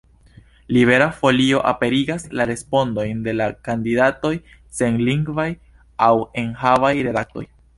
Libera Folio aperigas la respondojn de la kandidatoj sen lingvaj aŭ enhavaj redaktoj.